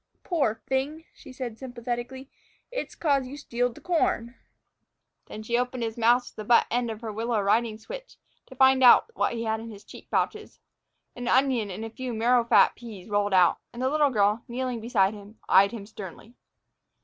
"Poor fing!" she said sympathetically, "it's 'cause you stealed the corn." Then she opened his mouth with the butt end of her willow riding switch, to find out what he had in his cheek pouches. An onion and a few marrowfat peas rolled out, and the little girl, kneeling beside him, eyed him sternly.